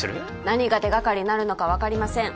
何が手掛かりになるのか分かりません